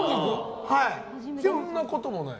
そんなこともない？